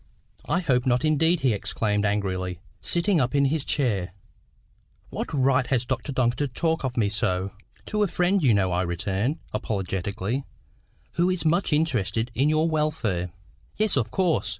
"I hope not indeed," he exclaimed angrily, sitting up in his chair. "What right has Dr Duncan to talk of me so?" "To a friend, you know," I returned, apologetically, "who is much interested in your welfare." "Yes, of course.